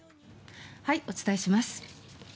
お伝えします。